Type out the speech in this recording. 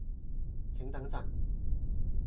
請等陣